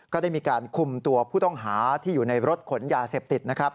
ก็ได้มีการคุมตัวผู้ต้องหาที่อยู่ในรถขนยาเสพติดนะครับ